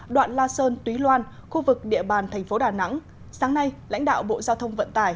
đoạn la sơn túy loan khu vực địa bàn thành phố đà nẵng sáng nay lãnh đạo bộ giao thông vận tải